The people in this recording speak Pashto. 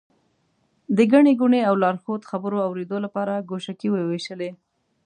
د ګڼې ګوڼې او لارښود خبرو اورېدو لپاره ګوشکۍ ووېشلې.